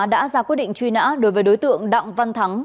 đã ra quyết định truy nã đối với đối tượng đặng văn thắng